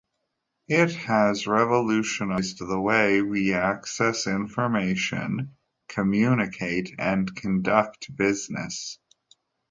It has revolutionized the way we access information, communicate, and conduct business.